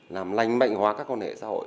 làm lành mạnh hóa các con hệ xã hội